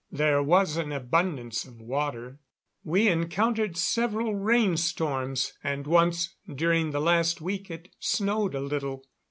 There was an abundance of water. We encountered several rainstorms, and once during the last week it snowed a little.